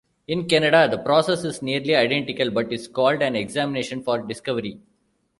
In Canada, the process is nearly identical but is called an examination for discovery.